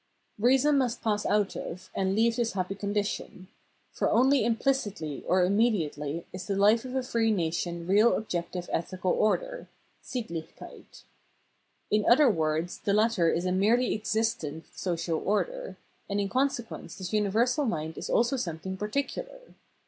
Reason must pass out of and leave this happy con dition. For only imphcitly or immediately is the hfe of a free nation real ob j ective ethical order {SittUchJceit) . In other words, the latter is a merely existent social order, and in consequence this universal mind is also some thing particular.